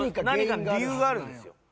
何か理由があるんですよ。